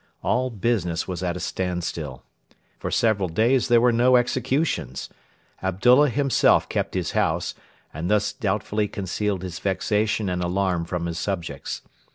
All business was at a standstill. For several days there were no executions. Abdullah himself kept his house, and thus doubtfully concealed his vexation and alarm from his subjects.